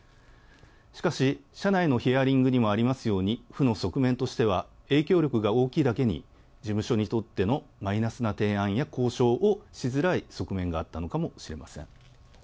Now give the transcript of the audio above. しかし、社内のヒアリングにもありますように、負の側面としては、影響力が大きいだけに、事務所にとってのマイナスな提案や交渉をしづらい面があったのかもしれません。